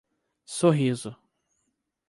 Sorriso